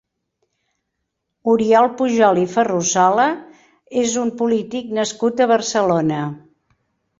Oriol Pujol i Ferrusola és un polític nascut a Barcelona.